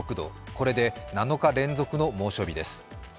これで７日連続の猛暑日です。